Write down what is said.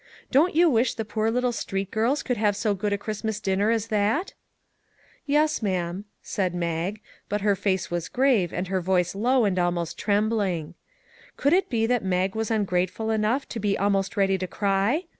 Don't you wish the poor little street girls could have so good a Christmas dinner as that ?"" Yes, ma'am," said Mag, but her face was grave, and her voice low and almost trembling. Could it be that Mag was ungrateful enough to be almost ready to cry?